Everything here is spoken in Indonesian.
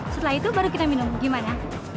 setelah itu baru kita minum gimana